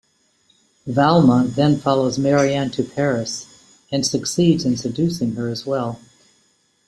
Valmont then follows Marianne to Paris and succeeds in seducing her as well.